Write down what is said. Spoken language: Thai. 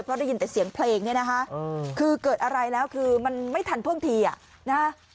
เพราะได้ยินแต่เสียงเพลงเนี่ยนะคะคือเกิดอะไรแล้วคือมันไม่ทันท่วงทีอ่ะนะฮะ